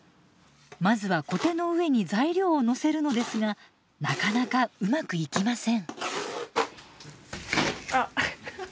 まずはコテの上に材料をのせるのですがなかなかうまくいきません。